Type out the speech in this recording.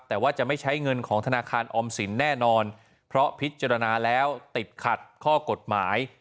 แต่ว่าจะไม่ใช้เงินของธนาคารออมสินแน่นอนเพราะพิจารณาแล้วติดขัดข้อกฎหมาย